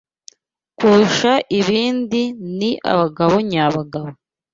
kurusha ibindi ni abagabo nyabagabo